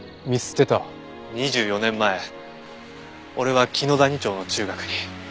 ２４年前俺は紀野谷町の中学に。